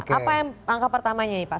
apa yang langkah pertamanya nih pak